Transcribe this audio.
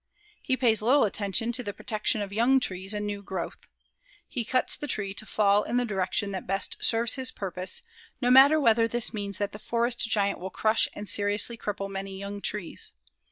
He pays little attention to the protection of young trees and new growth. He cuts the tree to fall in the direction that best serves his purpose, no matter whether this means that the forest giant will crush and seriously cripple many young trees.